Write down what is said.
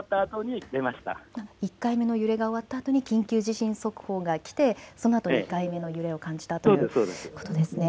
１回目の揺れが終わったあとに緊急地震速報が来て、そのあと２回目の揺れを感じたということですね。